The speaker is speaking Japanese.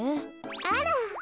あら。